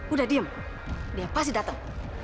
udah diem dia pasti datang